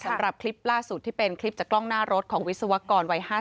สำหรับคลิปล่าสุดที่เป็นคลิปจากกล้องหน้ารถของวิศวกรวัย๕๐